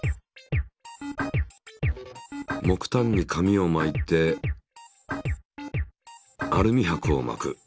木炭に紙を巻いてアルミはくを巻く。